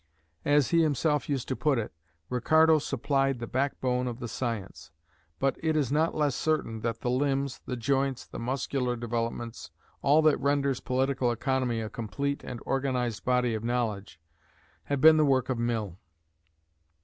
As he himself used to put it, Ricardo supplied the backbone of the science; but it is not less certain that the limbs, the joints, the muscular developments, all that renders political economy a complete and organized body of knowledge, have been the work of Mill.